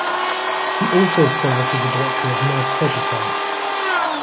He also served as a director of Neuf Cegetel.